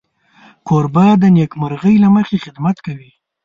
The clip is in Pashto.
کوربه د نېکمرغۍ له مخې خدمت کوي.